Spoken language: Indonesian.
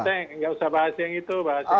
kita nggak usah bahas yang itu